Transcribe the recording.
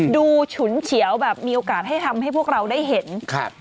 ฉุนเฉียวแบบมีโอกาสให้ทำให้พวกเราได้เห็นครับ